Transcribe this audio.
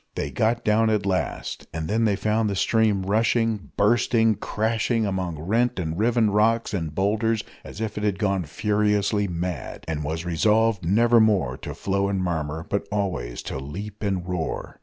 They got down at last, and then they found the stream rushing, bursting, crashing among rent and riven rocks and boulders as if it had gone furiously mad, and was resolved never more to flow and murmur, but always to leap and roar.